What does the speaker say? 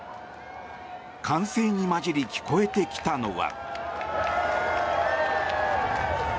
歓声に混じり聞こえてきたのは。